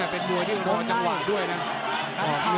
เป็นบัวที่รอจังหวะด้วยนะออกเนื้อ